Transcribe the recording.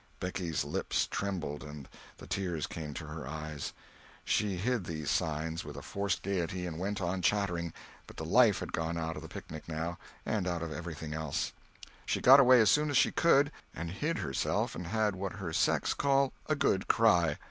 Becky's lips trembled and the tears came to her eyes; she hid these signs with a forced gayety and went on chattering, but the life had gone out of the picnic, now, and out of everything else; she got away as soon as she could and hid herself and had what her sex call "a good cry."